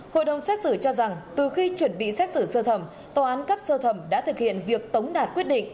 hội đồng xét xử cho rằng từ khi chuẩn bị xét xử sơ thẩm tòa án cấp sơ thẩm đã thực hiện việc tống đạt quyết định